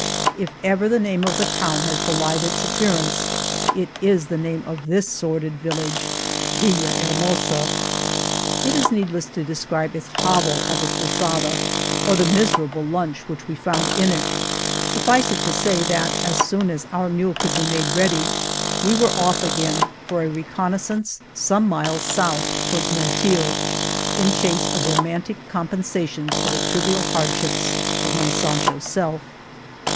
If ever the name of a town has belied its appearance it is the name of this sordid village, Villahermosa ! It is needless to describe its hovel of a po sada, or the miserable lunch which we found 96 Monteil in it. Suffice it to say that as soon as our mule could be made ready we were off again for a reconnoissance some miles south toward Monteil, in chase of romantic compensations for the trivial hardships of my Sancho self.